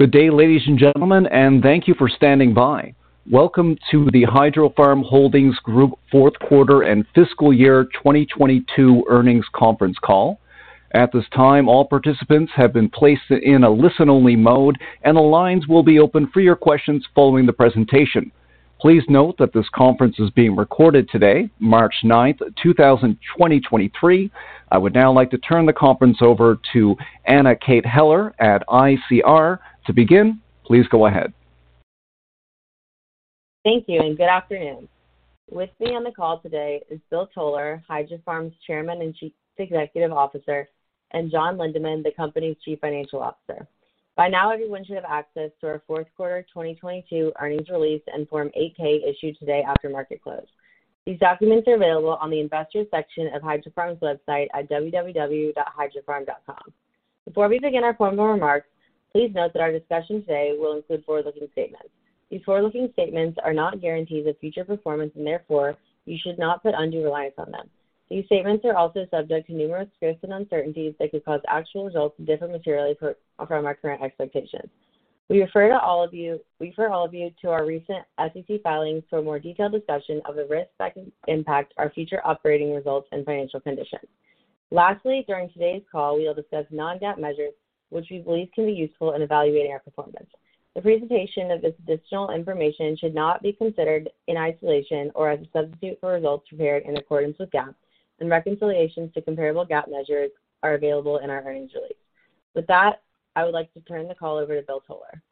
Good day, ladies and gentlemen, and thank you for standing by. Welcome to the Hydrofarm Holdings Group Q4 and Fiscal Year 2022 Earnings Conference Call. At this time, all participants have been placed in a listen-only mode, and the lines will be open for your questions following the presentation. Please note that this conference is being recorded today, March 9th, 2023. I would now like to turn the conference over to Anna Kate Heller at ICR to begin. Please go ahead. Thank you. Good afternoon. With me on the call today is Bill Toler, Hydrofarm's Chairman and Chief Executive Officer, and John Lindeman, the company's Chief Financial Officer. By now, everyone should have access to our Q4 2022 earnings release and Form 8-K issued today after market close. These documents are available on the investors section of Hydrofarm's website at www.hydrofarm.com. Before we begin our formal remarks, please note that our discussion today will include forward-looking statements. These forward-looking statements are not guarantees of future performance, and therefore, you should not put undue reliance on them. These statements are also subject to numerous risks and uncertainties that could cause actual results to differ materially from our current expectations. We refer all of you to our recent SEC filings for a more detailed discussion of the risks that can impact our future operating results and financial conditions. Lastly, during today's call, we will discuss non-GAAP measures which we believe can be useful in evaluating our performance. The presentation of this additional information should not be considered in isolation or as a substitute for results prepared in accordance with GAAP and reconciliations to comparable GAAP measures are available in our earnings release. With that, I would like to turn the call over to Bill Toler.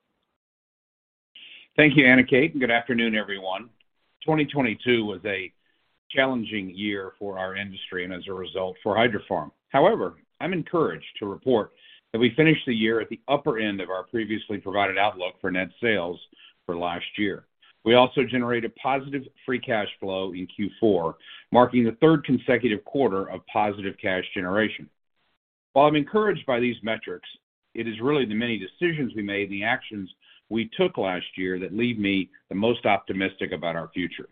Thank you, Anna Kate. Good afternoon, everyone. 2022 was a challenging year for our industry and as a result, for Hydrofarm. However, I'm encouraged to report that we finished the year at the upper end of our previously provided outlook for net sales for last year. We also generated positive free cash flow in Q4, marking the 3rd consecutive quarter of positive cash generation. While I'm encouraged by these metrics, it is really the many decisions we made and the actions we took last year that leave me the most optimistic about our future.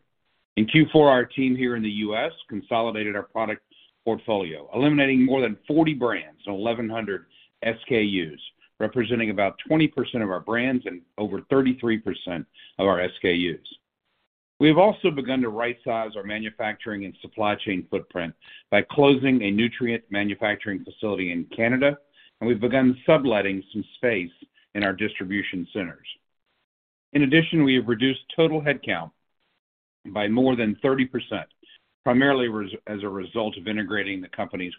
In Q4, our team here in the U.S. consolidated our product portfolio, eliminating more than 40 brands and 1,100 SKUs, representing about 20% of our brands and over 33% of our SKUs. We have also begun to right-size our manufacturing and supply chain footprint by closing a nutrient manufacturing facility in Canada, and we've begun subletting some space in our distribution centers. In addition, we have reduced total headcount by more than 30%, primarily as a result of integrating the companies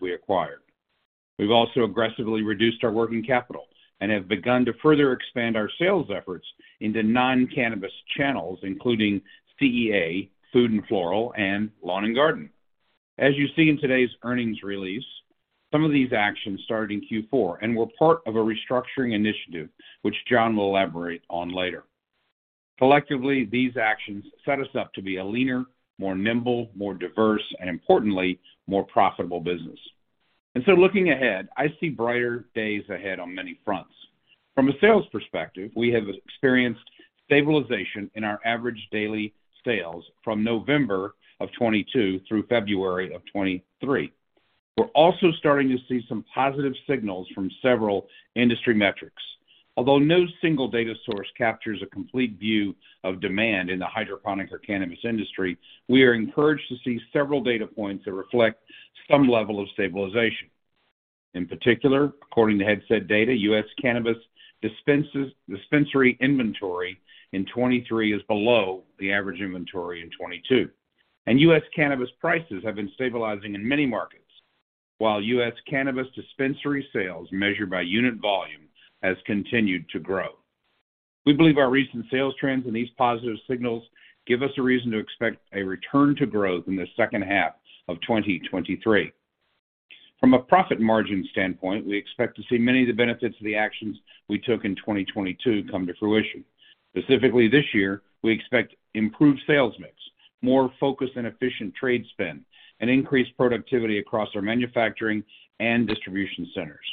we acquired. We've also aggressively reduced our working capital and have begun to further expand our sales efforts into non-cannabis channels, including CEA, food and floral, and lawn and garden. As you see in today's earnings release, some of these actions started in Q4 and were part of a restructuring initiative, which John will elaborate on later. Collectively, these actions set us up to be a leaner, more nimble, more diverse, and importantly, more profitable business. Looking ahead, I see brighter days ahead on many fronts. From a sales perspective, we have experienced stabilization in our average daily sales from November of 2022 through February of 2023. We're also starting to see some positive signals from several industry metrics. Although no single data source captures a complete view of demand in the hydroponic or cannabis industry, we are encouraged to see several data points that reflect some level of stabilization. In particular, according to Headset Data, U.S. cannabis dispensary inventory in 2023 is below the average inventory in 2022. U.S. cannabis prices have been stabilizing in many markets, while U.S. cannabis dispensary sales, measured by unit volume, has continued to grow. We believe our recent sales trends and these positive signals give us a reason to expect a return to growth in the second half of 2023. From a profit margin standpoint, we expect to see many of the benefits of the actions we took in 2022 come to fruition. Specifically this year, we expect improved sales mix, more focused and efficient trade spend, and increased productivity across our manufacturing and distribution centers,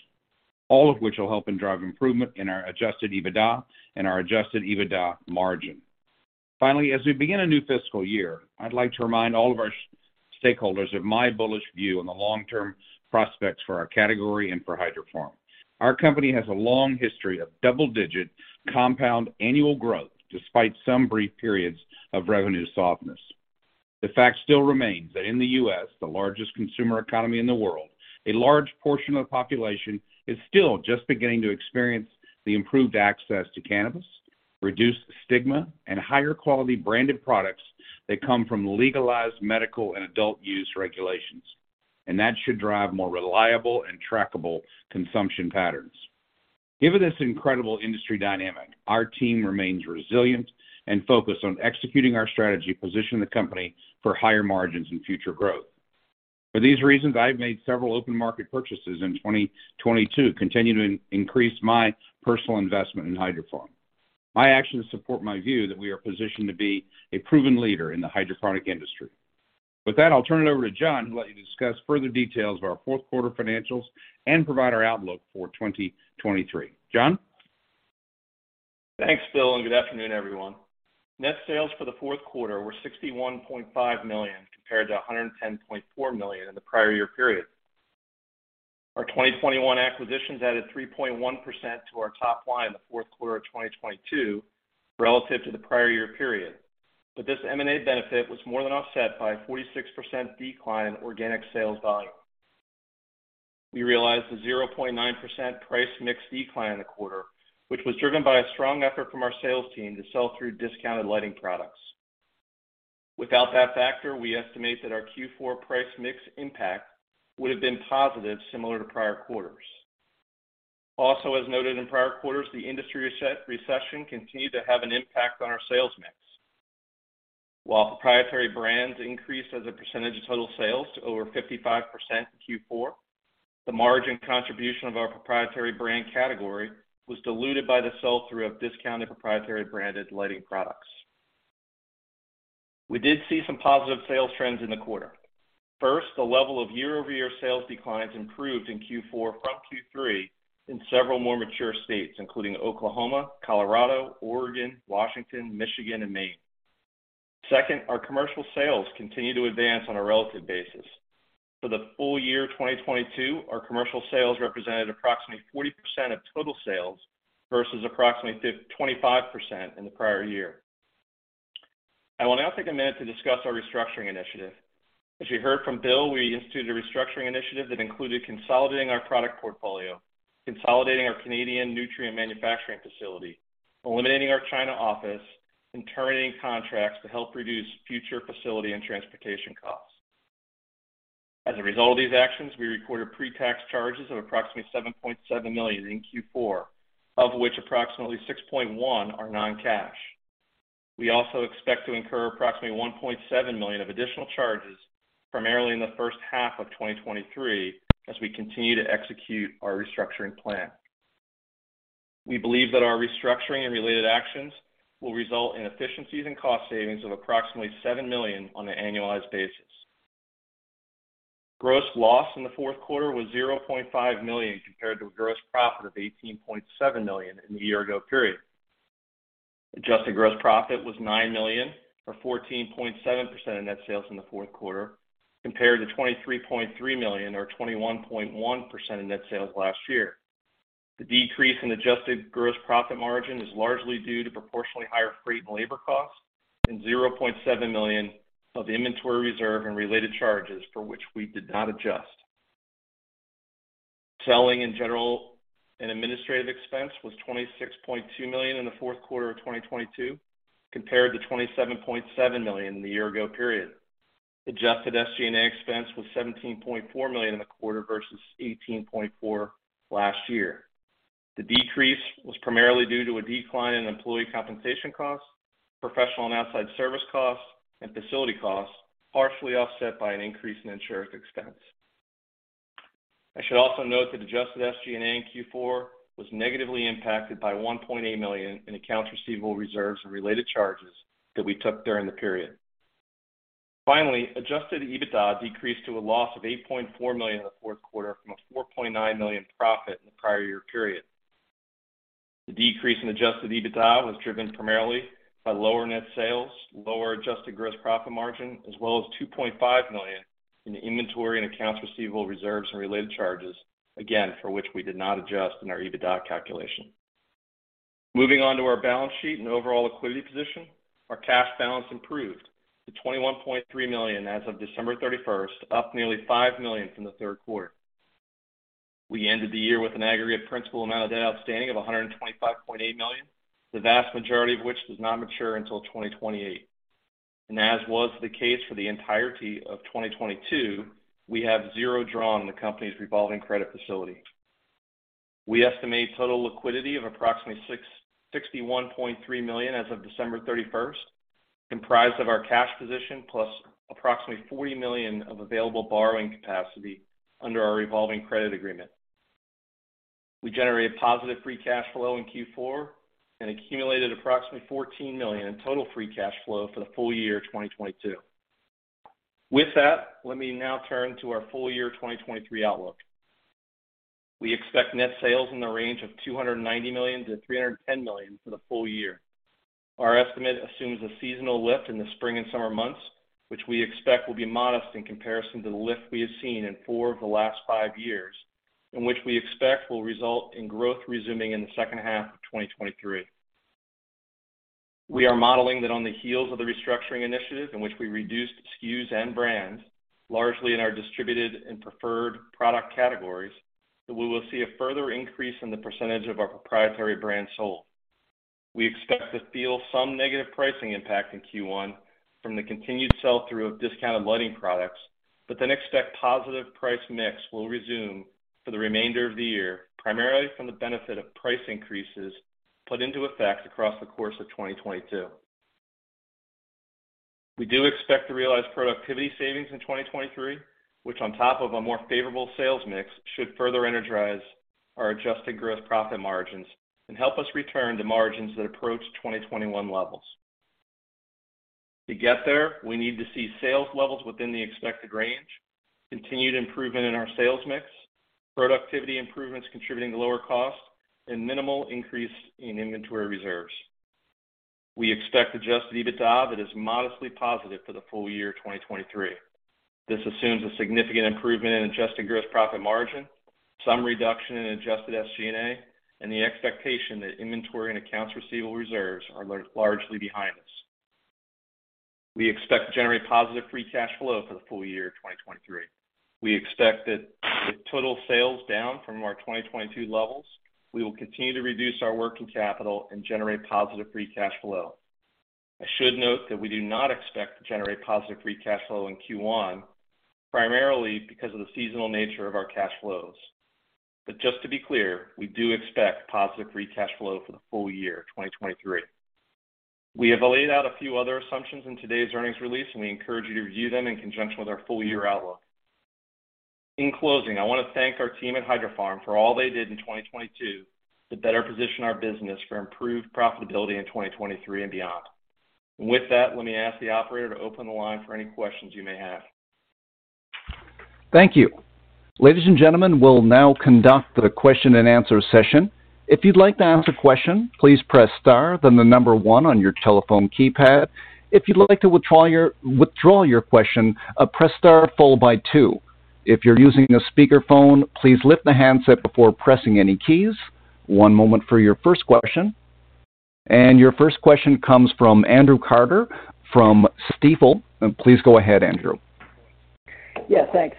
all of which will help in drive improvement in our Adjusted EBITDA and our Adjusted EBITDA margin. Finally, as we begin a new fiscal year, I'd like to remind all of our stakeholders of my bullish view on the long-term prospects for our category and for Hydrofarm. Our company has a long history of double-digit compound annual growth, despite some brief periods of revenue softness. The fact still remains that in the U.S., the largest consumer economy in the world, a large portion of the population is still just beginning to experience the improved access to cannabis, reduced stigma, and higher quality branded products that come from legalized medical and adult use regulations. That should drive more reliable and trackable consumption patterns. Given this incredible industry dynamic, our team remains resilient and focused on executing our strategy to position the company for higher margins and future growth. For these reasons, I've made several open market purchases in 2022, continuing to increase my personal investment in Hydrofarm. My actions support my view that we are positioned to be a proven leader in the hydroponic industry. With that, I'll turn it over to John, who will discuss further details of our Q4 financials and provide our outlook for 2023. John? Thanks, Bill, good afternoon, everyone. Net sales for the Q4 were $61.5 million compared to $110.4 million in the prior year period. Our 2021 acquisitions added 3.1% to our top line in the Q4 of 2022 relative to the prior year period. This M&A benefit was more than offset by a 46% decline in organic sales volume. We realized a 0.9% price mix decline in the quarter, which was driven by a strong effort from our sales team to sell through discounted lighting products. Without that factor, we estimate that our Q4 price mix impact would have been positive similar to prior quarters. As noted in prior quarters, the industry recession continued to have an impact on our sales mix. While proprietary brands increased as a percentage of total sales to over 55% in Q4, the margin contribution of our proprietary brand category was diluted by the sell-through of discounted proprietary branded lighting products. We did see some positive sales trends in the quarter. First, the level of year-over-year sales declines improved in Q4 from Q3 in several more mature states, including Oklahoma, Colorado, Oregon, Washington, Michigan and Maine. Second, our commercial sales continued to advance on a relative basis. For the full year 2022, our commercial sales represented approximately 40% of total sales versus approximately 25% in the prior year. I will now take a minute to discuss our restructuring initiative. As you heard from Bill, we instituted a restructuring initiative that included consolidating our product portfolio, consolidating our Canadian nutrient manufacturing facility, eliminating our China office, and terminating contracts to help reduce future facility and transportation costs. As a result of these actions, we recorded pre-tax charges of approximately $7.7 million in Q4, of which approximately $6.1 million are non-cash. We also expect to incur approximately $1.7 million of additional charges, primarily in the first half of 2023, as we continue to execute our restructuring plan. We believe that our restructuring and related actions will result in efficiencies and cost savings of approximately $7 million on an annualized basis. Gross loss in the Q4 was $0.5 million compared to a gross profit of $18.7 million in the year ago period. Adjusted gross profit was $9 million, or 14.7% in net sales in the Q4, compared to $23.3 million or 21.1% in net sales last year. The decrease in adjusted gross profit margin is largely due to proportionally higher freight and labor costs and $0.7 million of inventory reserve and related charges for which we did not adjust. Selling and general and administrative expense was $26.2 million in the Q4 of 2022 compared to $27.7 million in the year ago period. Adjusted SG&A expense was $17.4 million in the quarter versus $18.4 million last year. The decrease was primarily due to a decline in employee compensation costs, professional and outside service costs, and facility costs, partially offset by an increase in insurance expense. I should also note that adjusted SG&A in Q4 was negatively impacted by $1.8 million in accounts receivable reserves and related charges that we took during the period. Finally, adjusted EBITDA decreased to a loss of $8.4 million in the Q4 from a $4.9 million profit in the prior year period. The decrease in Adjusted EBITDA was driven primarily by lower net sales, lower adjusted gross profit margin, as well as $2.5 million in inventory and accounts receivable reserves and related charges, again, for which we did not adjust in our EBITDA calculation. Moving on to our balance sheet and overall liquidity position. Our cash balance improved to $21.3 million as of December 31st, up nearly $5 million from the Q3. We ended the year with an aggregate principal amount of debt outstanding of $125.8 million, the vast majority of which does not mature until 2028. As was the case for the entirety of 2022, we have zero drawn in the company's revolving credit facility. We estimate total liquidity of approximately $61.3 million as of December 31st, comprised of our cash position plus approximately $40 million of available borrowing capacity under our revolving credit agreement. We generated positive free cash flow in Q4 and accumulated approximately $14 million in total free cash flow for the full year 2022. Let me now turn to our full year 2023 outlook. We expect net sales in the range of $290 million-$310 million for the full year. Our estimate assumes a seasonal lift in the spring and summer months, which we expect will be modest in comparison to the lift we have seen in four of the last five years, and which we expect will result in growth resuming in the second half of 2023. We are modeling that on the heels of the restructuring initiative in which we reduced SKUs and brands, largely in our distributed and preferred product categories, that we will see a further increase in the percentage of our proprietary brands sold. We expect to feel some negative pricing impact in Q1 from the continued sell-through of discounted lighting products, but then expect positive price mix will resume for the remainder of the year, primarily from the benefit of price increases put into effect across the course of 2022. We do expect to realize productivity savings in 2023, which on top of a more favorable sales mix, should further energize our adjusted gross profit margins and help us return to margins that approach 2021 levels. To get there, we need to see sales levels within the expected range, continued improvement in our sales mix, productivity improvements contributing to lower costs, and minimal increase in inventory reserves. We expect Adjusted EBITDA that is modestly positive for the full year 2023. This assumes a significant improvement in adjusted gross profit margin, some reduction in Adjusted SG&A, and the expectation that inventory and accounts receivable reserves are largely behind us. We expect to generate positive free cash flow for the full year 2023. We expect that with total sales down from our 2022 levels, we will continue to reduce our working capital and generate positive free cash flow. I should note that we do not expect to generate positive free cash flow in Q1, primarily because of the seasonal nature of our cash flows. Just to be clear, we do expect positive free cash flow for the full year 2023. We have laid out a few other assumptions in today's earnings release, and we encourage you to review them in conjunction with our full year outlook. In closing, I wanna thank our team at Hydrofarm for all they did in 2022 to better position our business for improved profitability in 2023 and beyond. With that, let me ask the operator to open the line for any questions you may have. Thank you. Ladies and gentlemen, we'll now conduct the question-and-answer session. If you'd like to ask a question, please press star, then one on your telephone keypad. If you'd like to withdraw your question, press star followed by two. If you're using a speakerphone, please lift the handset before pressing any keys. One moment for your first question. Your first question comes from Andrew Carter from Stifel. Please go ahead, Andrew. Yeah, thanks.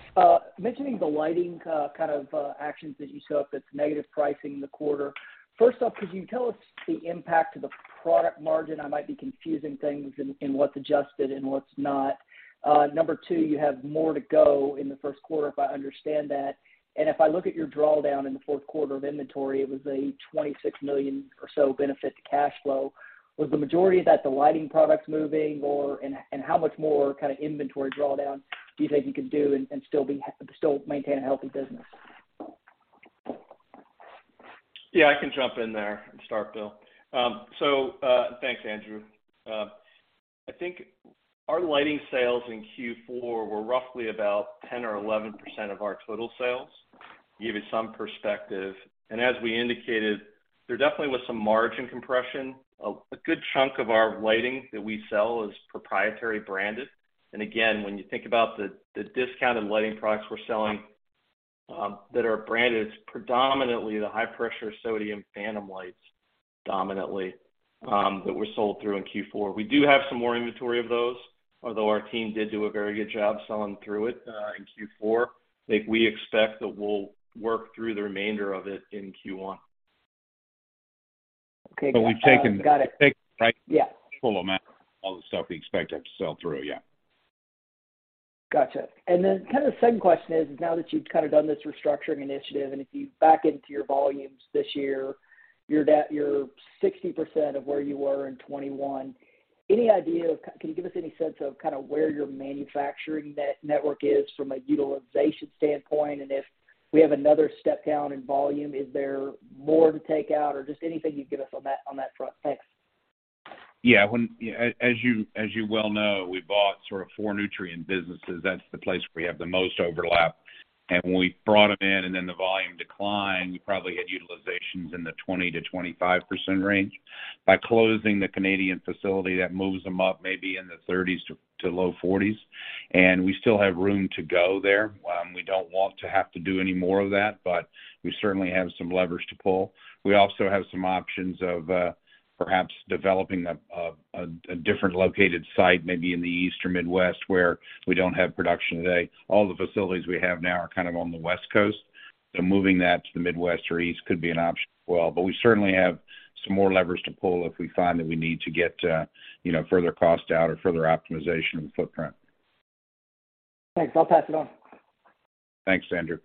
Mentioning the lighting, kind of, actions that you show up that's negative pricing in the quarter. First off, could you tell us the impact to the product margin? I might be confusing things in what's adjusted and what's not. Number two, you have more to go in the Q1, if I understand that. If I look at your drawdown in the Q4 of inventory, it was a $26 million or so benefit to cash flow. Was the majority of that the lighting product moving? How much more kind of inventory drawdown do you think you can do and still maintain a healthy business? Yeah, I can jump in there and start, Bill. Thanks, Andrew. I think our lighting sales in Q4 were roughly about 10% or 11% of our total sales, give you some perspective. As we indicated, there definitely was some margin compression. A good chunk of our lighting that we sell is proprietary branded. Again, when you think about the discounted lighting products we're selling, that are branded, it's predominantly the high-pressure sodium Phantom lights, dominantly, that were sold through in Q4. We do have some more inventory of those, although our team did do a very good job selling through it in Q4. I think we expect that we'll work through the remainder of it in Q1. Okay. we've taken- Got it. Take price- Yeah. Full amount of all the stuff we expect to sell through. Yeah. Gotcha. Kinda the second question is, now that you've kinda done this restructuring initiative, if you back into your volumes this year, you're 60% of where you were in 2021. Can you give us any sense of kinda where your manufacturing network is from a utilization standpoint? If we have another step down in volume, is there more to take out? Just anything you can give us on that, on that front. Thanks. Yeah. As you well know, we bought sort of four nutrient businesses. That's the place where we have the most overlap. When we brought them in and then the volume declined, we probably had utilizations in the 20%-25% range. By closing the Canadian facility, that moves them up maybe in the 30s to low 40s. We still have room to go there. We don't want to have to do any more of that, but we certainly have some levers to pull. We also have some options of perhaps developing a different located site, maybe in the East or Midwest, where we don't have production today. All the facilities we have now are kind of on the West Coast, so moving that to the Midwest or East could be an option as well. We certainly have some more levers to pull if we find that we need to get, you know, further cost out or further optimization of the footprint. Thanks. I'll pass it on. Thanks, Andrew.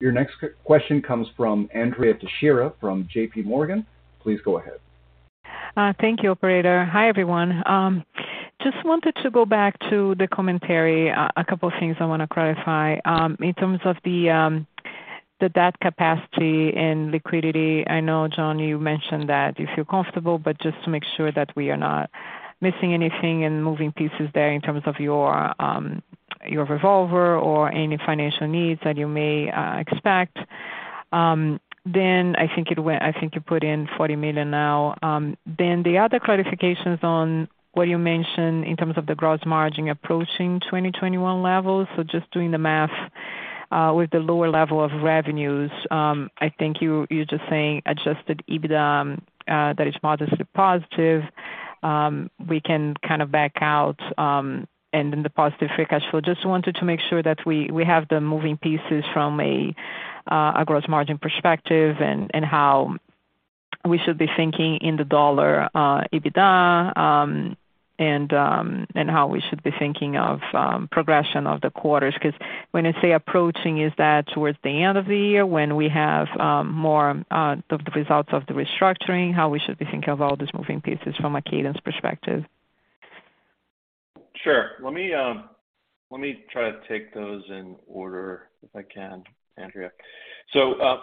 Your next question comes from Andrea Teixeira from JPMorgan. Please go ahead. Thank you, operator. Hi, everyone. Just wanted to go back to the commentary. A couple of things I wanna clarify. In terms of the debt capacity and liquidity, I know, John, you mentioned that you feel comfortable, but just to make sure that we are not missing anything and moving pieces there in terms of your revolver or any financial needs that you may expect. I think you put in $40 million now. The other clarifications on what you mentioned in terms of the gross margin approaching 2021 levels. Just doing the math, with the lower level of revenues, I think you're just saying Adjusted EBITDA that is modestly positive. We can kind of back out, and then the positive free cash flow. Just wanted to make sure that we have the moving pieces from a gross margin perspective and how we should be thinking in the $ EBITDA and how we should be thinking of progression of the quarters. When I say approaching, is that towards the end of the year when we have more of the results of the restructuring, how we should be thinking of all these moving pieces from a cadence perspective? Sure. Let me try to take those in order, if I can, Andrea.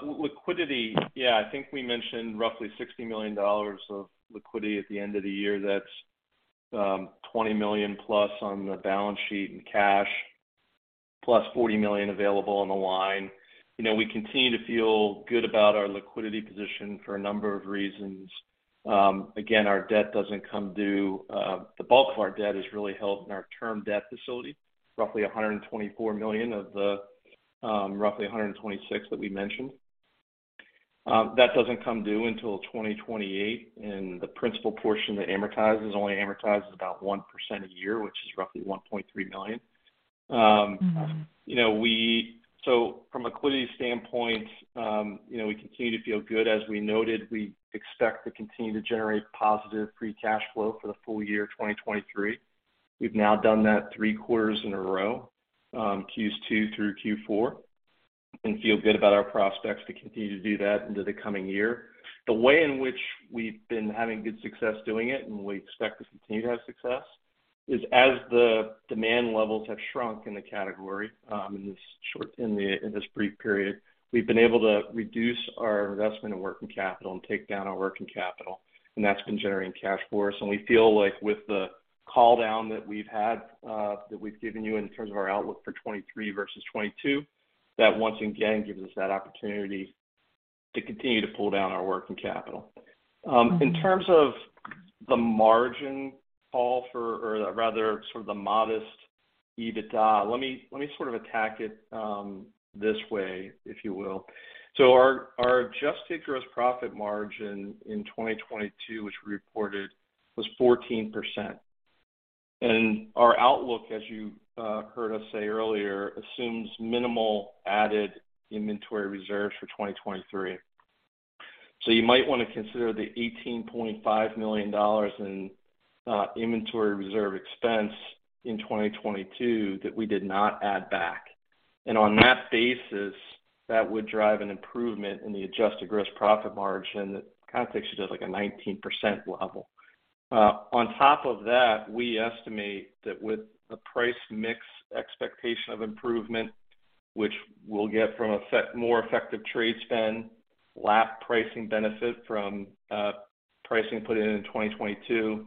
Liquidity, yeah, I think we mentioned roughly $60 million of liquidity at the end of the year. That's $20 million plus on the balance sheet and cash plus $40 million available on the line. You know, we continue to feel good about our liquidity position for a number of reasons. Again, our debt doesn't come due. The bulk of our debt is really held in our term debt facility, roughly $124 million of the roughly $126 million that we mentioned. That doesn't come due until 2028, and the principal portion that amortizes only amortizes about 1% a year, which is roughly $1.3 million. Mm-hmm. You know, from a liquidity standpoint, you know, we continue to feel good. As we noted, we expect to continue to generate positive free cash flow for the full year 2023. We've now done that three quarters in a row, Q2 through Q4, and feel good about our prospects to continue to do that into the coming year. The way in which we've been having good success doing it, and we expect to continue to have success, is as the demand levels have shrunk in the category, in this brief period, we've been able to reduce our investment and working capital and take down our working capital, and that's been generating cash for us. We feel like with the call down that we've had, that we've given you in terms of our outlook for 2023 versus 2022, that once again gives us that opportunity to continue to pull down our working capital. Mm-hmm. In terms of the margin call for or rather sort of the modest EBITDA, let me sort of attack it this way, if you will. Our adjusted gross profit margin in 2022, which we reported, was 14%. Our outlook, as you heard us say earlier, assumes minimal added inventory reserves for 2023. You might wanna consider the $18.5 million in inventory reserve expense in 2022 that we did not add back. On that basis, that would drive an improvement in the adjusted gross profit margin that kind of takes you to, like, a 19% level. On top of that, we estimate that with the price mix expectation of improvement, which we'll get from more effective trade spend, lap pricing benefit from pricing put in in 2022,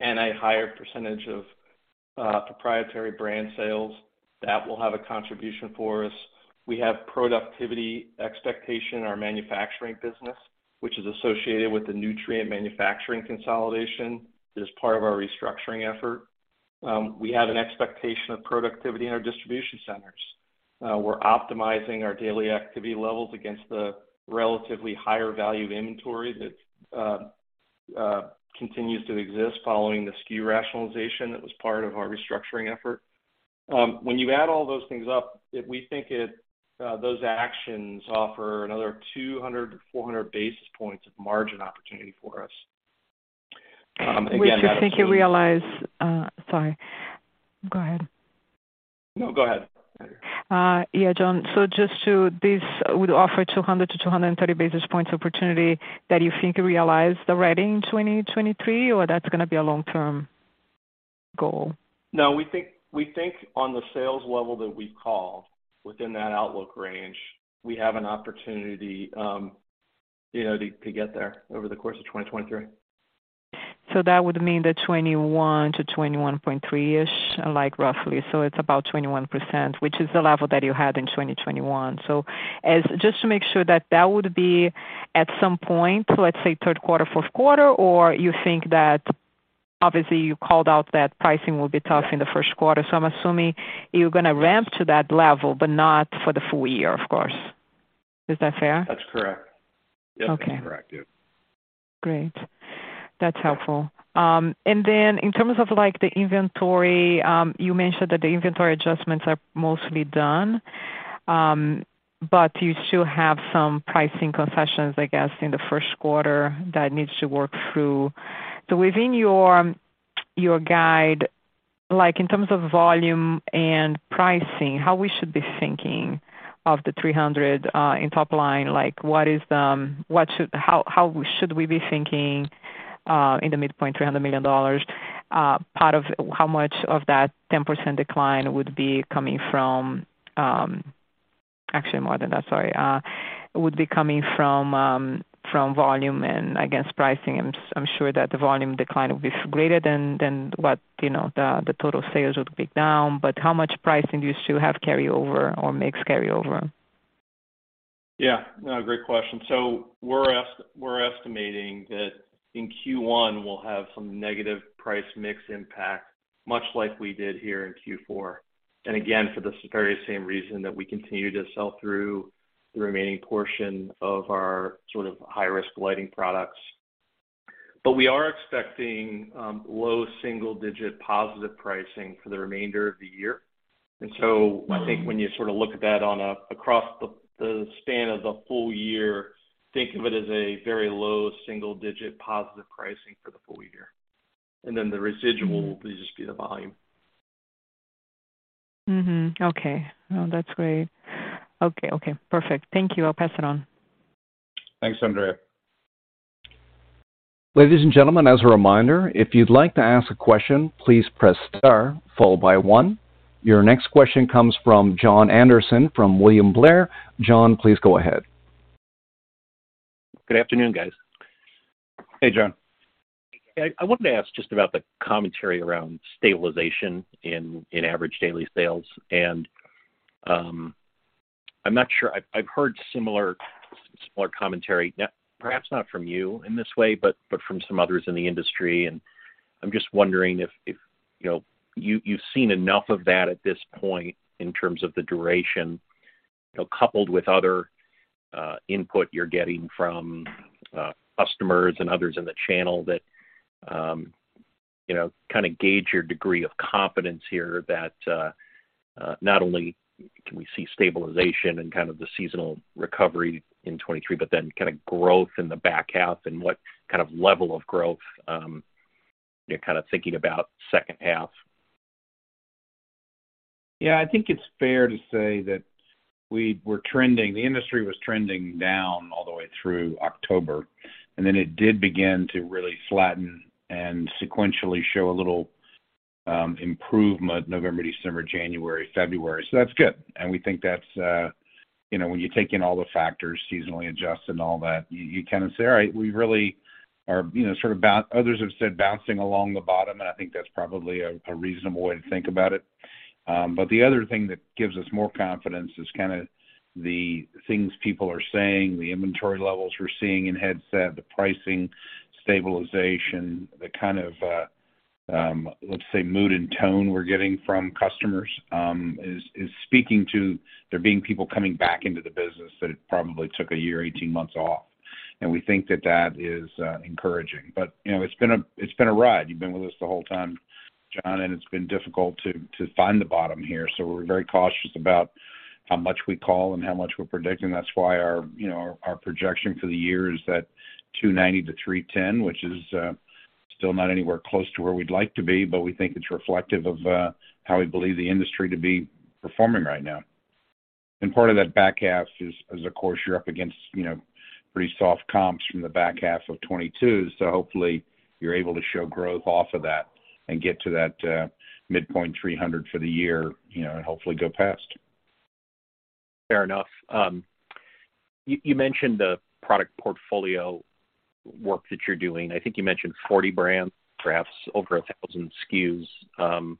and a higher percentage of proprietary brand sales, that will have a contribution for us. We have productivity expectation in our manufacturing business, which is associated with the nutrient manufacturing consolidation that is part of our restructuring effort. We have an expectation of productivity in our distribution centers. We're optimizing our daily activity levels against the relatively higher value inventory that continues to exist following the SKU rationalization that was part of our restructuring effort. When you add all those things up, we think it those actions offer another 200-400 basis points of margin opportunity for us. Again-. Which you think you realize. Sorry. Go ahead. No, go ahead. Yeah, John. This would offer 200-230 basis points opportunity that you think you realize already in 2023, or that's gonna be a long-term goal? No, we think on the sales level that we've called within that outlook range, we have an opportunity, you know, to get there over the course of 2023. That would mean the 21%-21.3%, like roughly. It's about 21%, which is the level that you had in 2021. Just to make sure that that would be at some point, let's say Q3, Q4, or you think that obviously you called out that pricing will be tough in the Q1. I'm assuming you're gonna ramp to that level, but not for the full year, of course. Is that fair? That's correct. Okay. Yes, that's correct. Yeah. Great. That's helpful. In terms of, like, the inventory, you mentioned that the inventory adjustments are mostly done. You still have some pricing concessions, I guess, in the Q1 that needs to work through. Within your guide, like in terms of volume and pricing, how we should be thinking of the 300 in top line, like how should we be thinking in the midpoint $300 million part of how much of that 10% decline would be coming from... Actually more than that, sorry. Would be coming from volume and I guess pricing? I'm sure that the volume decline will be greater than what, you know, the total sales would be down. How much pricing do you still have carryover or mix carryover? Yeah. No, great question. We're estimating that in Q1 we'll have some negative price mix impact, much like we did here in Q4. Again, for the very same reason that we continue to sell through the remaining portion of our sort of high-risk lighting products. We are expecting low single digit positive pricing for the remainder of the year. I think when you sort of look at that across the span of the full year, think of it as a very low single digit positive pricing for the full year. The residual will just be the volume. Okay. That's great. Okay, okay. Perfect. Thank you. I'll pass it on. Thanks, Andrea. Ladies and gentlemen, as a reminder, if you'd like to ask a question, please press star followed by one. Your next question comes from Jon Andersen from William Blair. Jon, please go ahead. Good afternoon, guys. Hey, Jon. I wanted to ask just about the commentary around stabilization in average daily sales. I'm not sure. I've heard similar commentary, perhaps not from you in this way, but from some others in the industry. I'm just wondering if, you know, you've seen enough of that at this point in terms of the duration, you know, coupled with other input you're getting from customers and others in the channel that, you know, kind of gauge your degree of confidence here that not only can we see stabilization and kind of the seasonal recovery in 2023, but then kind of growth in the back half. What kind of level of growth you're kind of thinking about second half? Yeah. I think it's fair to say that the industry was trending down all the way through October, then it did begin to really flatten and sequentially show a little improvement November, December, January, February. That's good. We think that's, you know, when you take in all the factors seasonally adjusted and all that, you kind of say, all right, we really are, you know, sort of others have said bouncing along the bottom, and I think that's probably a reasonable way to think about it. The other thing that gives us more confidence is kind of the things people are saying, the inventory levels we're seeing in Headset, the pricing stabilization, the kind of, let's say mood and tone we're getting from customers, is speaking to there being people coming back into the business that had probably took 1 year, 18 months off. We think that that is encouraging. You know, it's been a ride. You've been with us the whole time, Jon, and it's been difficult to find the bottom here. We're very cautious about how much we call and how much we're predicting. That's why our, you know, our projection for the year is that $290-$310, which is still not anywhere close to where we'd like to be, but we think it's reflective of how we believe the industry to be performing right now. Part of that back half is of course, you're up against, you know, pretty soft comps from the back half of 2022. Hopefully you're able to show growth off of that and get to that midpoint $300 for the year, you know, and hopefully go past. Fair enough. You mentioned the product portfolio work that you're doing. I think you mentioned 40 brands, perhaps over 1,000 SKUs,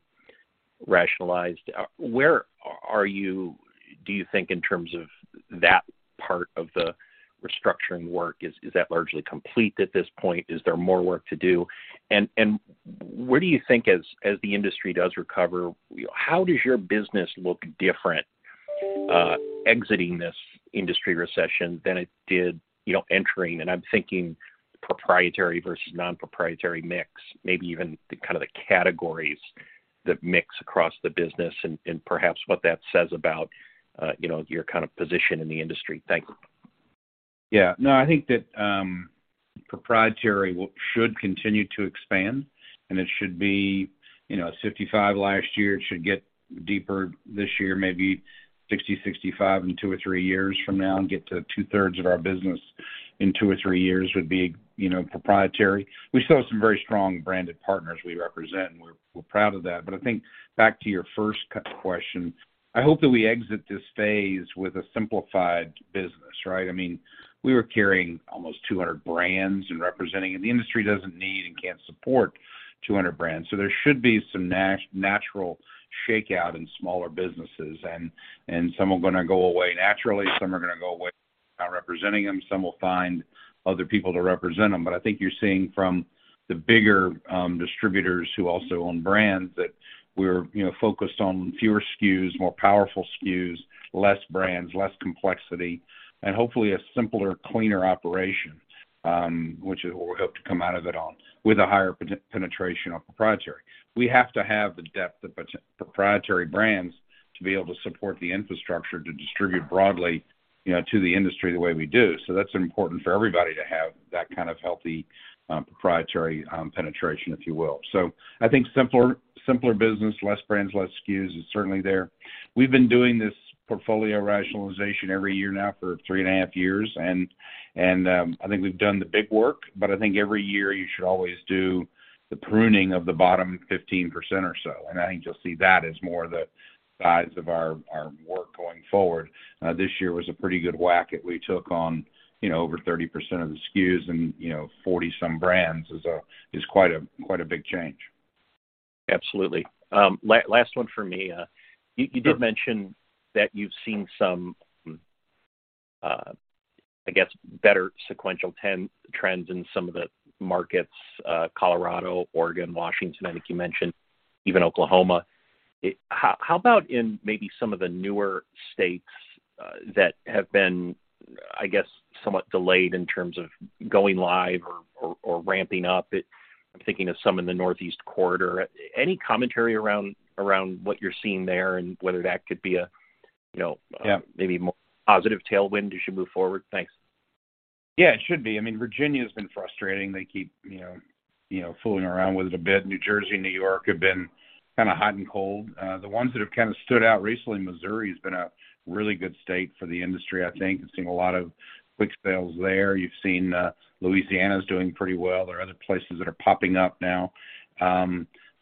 rationalized. Where are you, do you think, in terms of that part of the restructuring work? Is that largely complete at this point? Is there more work to do? Where do you think as the industry does recover, how does your business look different, exiting this industry recession than it did, you know, entering? I'm thinking proprietary versus non-proprietary mix, maybe even the kind of the categories that mix across the business and perhaps what that says about, you know, your kind of position in the industry. Thanks. Yeah. No, I think that proprietary should continue to expand, and it should be, you know, 55 last year. It should get deeper this year, maybe 60, 65 in 2 or 3 years from now and get to 2/3 of our business in 2 or 3 years would be, you know, proprietary. We still have some very strong branded partners we represent, and we're proud of that. I think back to your first question, I hope that we exit this phase with a simplified business, right? I mean, we were carrying almost 200 brands and representing, and the industry doesn't need and can't support 200 brands. There should be some natural shakeout in smaller businesses, and some are gonna go away naturally, some are gonna go away not representing them, some will find other people to represent them. I think you're seeing from the bigger distributors who also own brands that we're, you know, focused on fewer SKUs, more powerful SKUs, less brands, less complexity, and hopefully a simpler, cleaner operation, which is what we hope to come out of it on with a higher penetration of proprietary. We have to have the depth of proprietary brands to be able to support the infrastructure to distribute broadly, you know, to the industry the way we do. That's important for everybody to have that kind of healthy, proprietary penetration, if you will. I think simpler business, less brands, less SKUs is certainly there. We've been doing this portfolio rationalization every year now for three and a half years and, I think we've done the big work, but I think every year you should always do the pruning of the bottom 15% or so, and I think you'll see that as more the size of our work going forward. This year was a pretty good whack that we took on, you know, over 30% of the SKUs and, you know, 40 some brands is quite a big change. Absolutely. Last one for me. You did mention that you've seen some, I guess better sequential trends in some of the markets, Colorado, Oregon, Washington, I think you mentioned even Oklahoma. How about in maybe some of the newer states that have been, I guess, somewhat delayed in terms of going live or ramping up? I'm thinking of some in the Northeast Corridor. Any commentary around what you're seeing there and whether that could be a, you know? Yeah... maybe more positive tailwind as you move forward? Thanks. Yeah, it should be. I mean, Virginia's been frustrating. They keep, you know, fooling around with it a bit. New Jersey and New York have been kinda hot and cold. The ones that have kinda stood out recently, Missouri's been a really good state for the industry, I think. You've seen a lot of quick sales there. You've seen, Louisiana's doing pretty well. There are other places that are popping up now.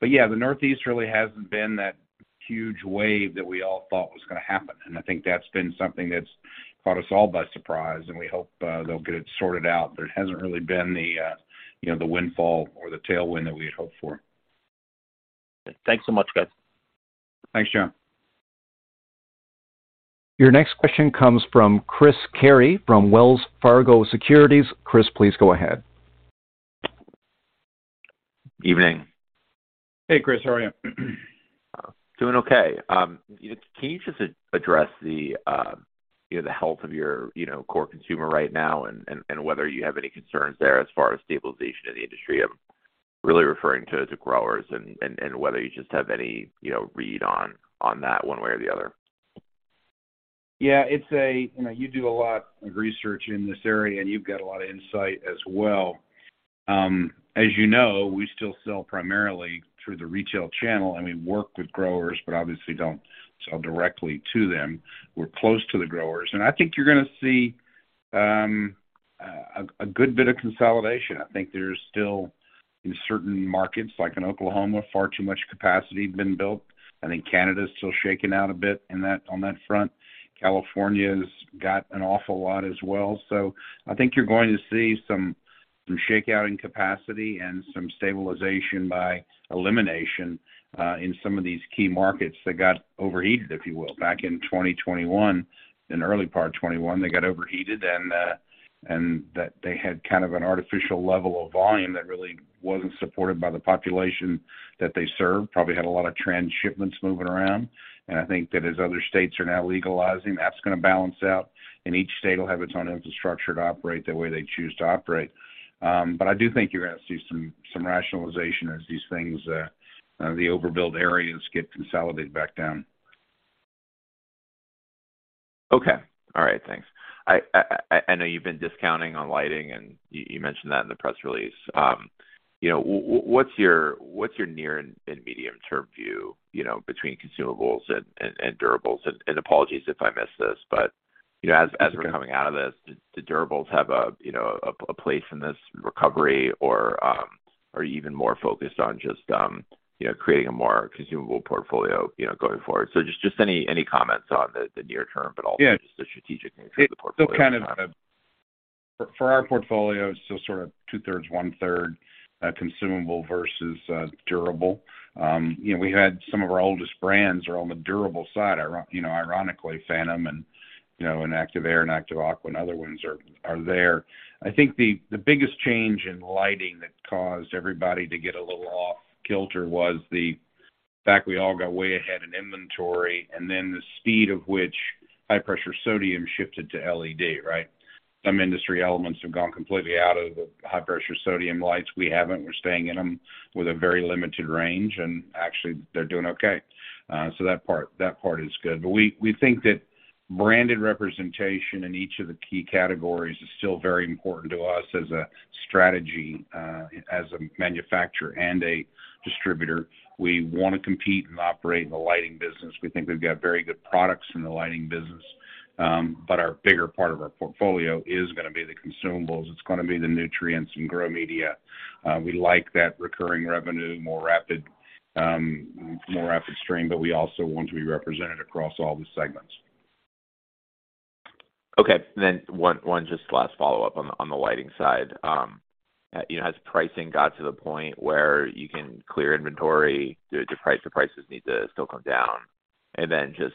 Yeah, the Northeast really hasn't been the huge wave that we all thought was gonna happen. I think that's been something that's caught us all by surprise, and we hope, they'll get it sorted out. There hasn't really been the, you know, the windfall or the tailwind that we had hoped for. Thanks so much, guys. Thanks, Jon. Your next question comes from Chris Carey from Wells Fargo Securities. Chris, please go ahead. Evening. Hey, Chris. How are you? doing okay. can you just address the, you know, the health of your, you know, core consumer right now and whether you have any concerns there as far as stabilization of the industry? I'm really referring to growers and whether you just have any, you know, read on that one way or the other. Yeah, it's a... You know, you do a lot of research in this area, and you've got a lot of insight as well. As you know, we still sell primarily through the retail channel, and we work with growers but obviously don't sell directly to them. We're close to the growers. I think you're gonna see a good bit of consolidation. I think there's still, in certain markets, like in Oklahoma, far too much capacity been built. I think Canada is still shaking out a bit in that, on that front. California's got an awful lot as well. I think you're going to see some shakeout in capacity and some stabilization by elimination in some of these key markets that got overheated, if you will. Back in 2021, in early part of 2021, they got overheated, and that they had kind of an artificial level of volume that really wasn't supported by the population that they served. Probably had a lot of trans shipments moving around. I think that as other states are now legalizing, that's gonna balance out, and each state will have its own infrastructure to operate the way they choose to operate. I do think you're gonna see some rationalization as these things, the overbuilt areas get consolidated back down. Okay. All right, thanks. I know you've been discounting on lighting, and you mentioned that in the press release. you know, what's your near and medium term view, you know, between consumables and durables? Apologies if I missed this, but, you know, as we're coming out of this, do durables have a, you know, a place in this recovery or, are you even more focused on just, you know, creating a more consumable portfolio, you know, going forward? Just any comments on the near term, but also just the strategic nature of the portfolio. It's still for our portfolio, it's still sort of 2/3, 1/3, consumable versus durable. You know, we had some of our oldest brands are on the durable side, you know, ironically, Phantom and, you know, Active Air and Active Aqua and other ones are there. I think the biggest change in lighting that caused everybody to get a little off kilter was the fact we all got way ahead in inventory and then the speed of which high-pressure sodium shifted to LED, right? Some industry elements have gone completely out of the high-pressure sodium lights. We haven't. We're staying in them with a very limited range, and actually they're doing okay. That part is good. We think that branded representation in each of the key categories is still very important to us as a strategy, as a manufacturer and a distributor. We wanna compete and operate in the lighting business. We think we've got very good products in the lighting business, but our bigger part of our portfolio is gonna be the consumables. It's gonna be the nutrients and grow media. We like that recurring revenue, more rapid, more rapid stream, but we also want to be represented across all the segments. Okay. one just last follow-up on the, on the lighting side. You know, has pricing got to the point where you can clear inventory? Do prices need to still come down? Just,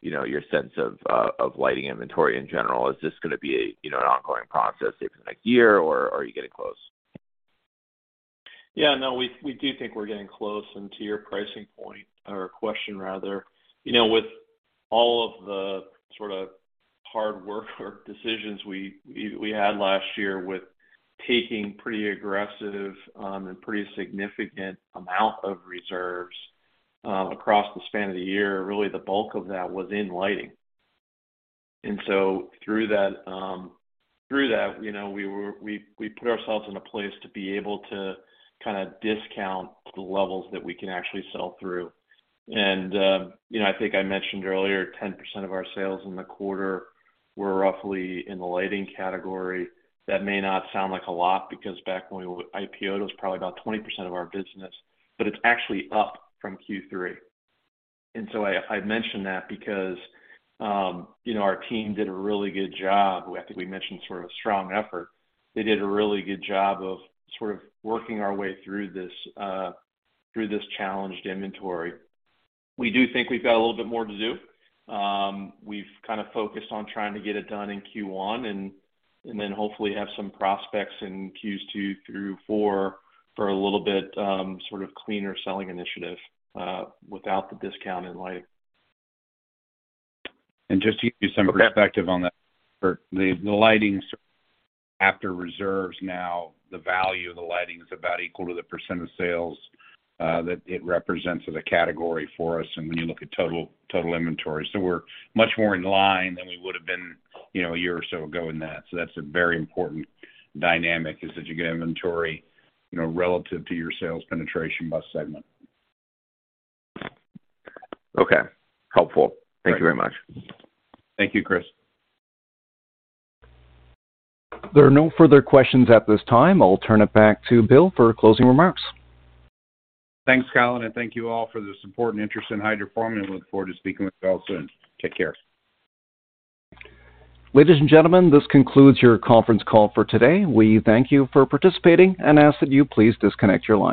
you know, your sense of lighting inventory in general. Is this gonna be, you know, an ongoing process, say, for the next year, or are you getting close? Yeah, no, we do think we're getting close. To your pricing point or question rather, you know, with all of the sort of hard work or decisions we had last year with taking pretty aggressive and pretty significant amount of reserves across the span of the year, really the bulk of that was in lighting. Through that, through that, you know, we put ourselves in a place to be able to kinda discount to levels that we can actually sell through. You know, I think I mentioned earlier, 10% of our sales in the quarter were roughly in the lighting category. That may not sound like a lot because back when we IPO, it was probably about 20% of our business, but it's actually up from Q3. I mention that because, you know, our team did a really good job. I think we mentioned sort of a strong effort. They did a really good job of sort of working our way through this, through this challenged inventory. We do think we've got a little bit more to do. We've kind of focused on trying to get it done in Q1 and then hopefully have some prospects in Q2 to Q4 for a little bit, sort of cleaner selling initiative, without the discount in lighting. Just to give you some perspective on that. The lighting after reserves now, the value of the lighting is about equal to the percent of sales, that it represents as a category for us, and when you look at total inventory. We're much more in line than we would've been, you know, a year or so ago in that. That's a very important dynamic is that you get inventory, you know, relative to your sales penetration by segment. Okay. Helpful. Thank you very much. Thank you, Chris. There are no further questions at this time. I'll turn it back to Bill for closing remarks. Thanks, Colin. Thank you all for the support and interest in Hydrofarm, and I look forward to speaking with you all soon. Take care. Ladies and gentlemen, this concludes your conference call for today. We thank you for participating and ask that you please disconnect your line.